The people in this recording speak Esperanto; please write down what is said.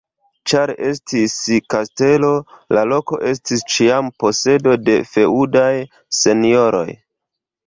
Ĉar estis kastelo, la loko estis ĉiam posedo de feŭdaj senjoroj.